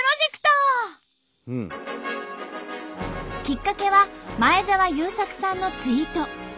きっかけは前澤友作さんのツイート。